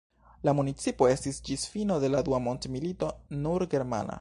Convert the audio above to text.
La municipo estis ĝis fino de la dua mondmilito nur germana.